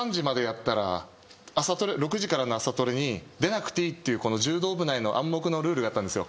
６時からの朝トレに出なくていいっていうこの柔道部内の暗黙のルールがあったんです。